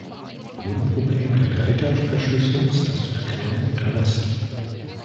Grundproblem der Gleiter-Verschlüsse ist das Verklemmen unter Last.